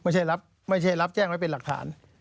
ไม่ใช่รับแจ้งไว้เป็นหลักฐาน